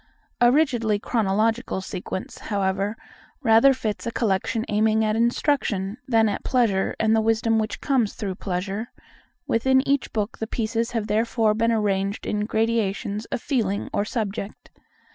A rigidly chronological sequence, however, rather fits a collection aiming at instruction than at pleasure, and the wisdom which comes through pleasure: within each book the pieces have therefore been arranged in gradations of feeling or subject.